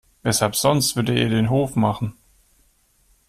Weshalb sonst würde er ihr den Hof machen?